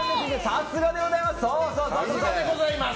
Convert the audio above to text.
さすがでございます。